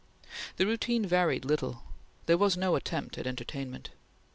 The routine varied little. There was no attempt at entertainment.